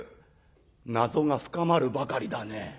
「謎が深まるばかりだね。